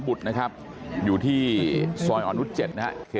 สวัสดีครับคุณผู้ชาย